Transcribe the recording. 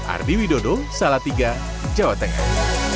ardi widodo salatiga jawa tengah